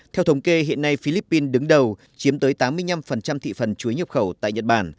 theo thống kê hiện nay philippines đứng đầu chiếm tới tám mươi năm thị phần chuối nhập khẩu tại nhật bản